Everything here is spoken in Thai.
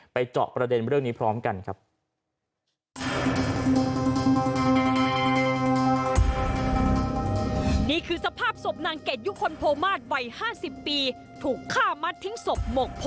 เจาะประเด็นเรื่องนี้พร้อมกันครับ